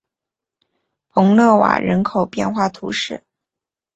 蓬勒瓦人口变化图示